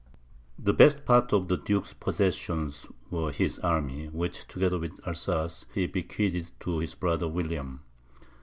The best part of the duke's possessions were his army, which, together with Alsace, he bequeathed to his brother William.